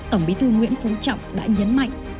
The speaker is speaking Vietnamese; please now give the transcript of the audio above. tổng bí thư nguyễn phú trọng đã nhấn mạnh